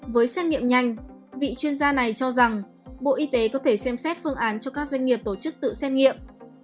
với xét nghiệm nhanh vị chuyên gia này cho rằng bộ y tế có thể xem xét phương án cho các doanh nghiệp tổ chức tự xét nghiệm